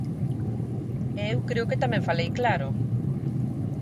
E eu creo que tamén falei claro.